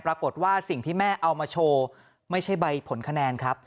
ปรากฏว่าสิ่งที่แม่เอามาโชว์ไม่ใช่ใบผลคะแนนครับ